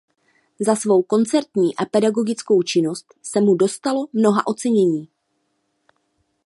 Za svou koncertní a pedagogickou činnost se mu dostalo mnoha ocenění.